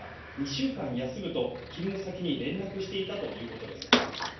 ２週間休むと、勤務先に連絡していたということです。